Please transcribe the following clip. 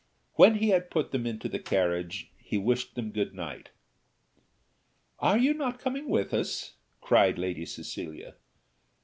When he had put them into the carriage, he wished them good night. "Are not you coming with us?" cried Lady Cecilia.